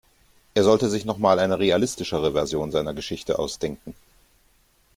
Er sollte sich noch mal eine realistischere Version seiner Geschichte ausdenken.